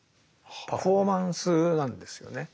パフォーマンスなんですよね。